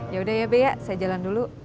yaudah ya be ya saya jalan dulu